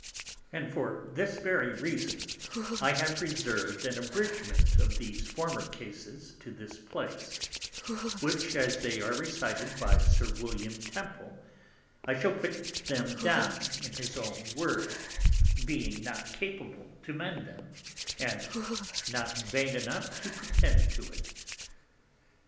And for this very reason I have reserv'd an Abridgment of these former Cases to this place; which as they are recited by Sir William Temple, I shall put them down in his own Words, being not capable to mend them, and not vain enough to pretend to it.